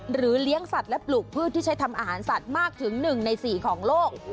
เลี้ยงสัตว์และปลูกพืชที่ใช้ทำอาหารสัตว์มากถึง๑ใน๔ของโลก